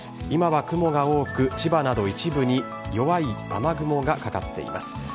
今は雲が多く、千葉など一部に弱い雨雲がかかっています。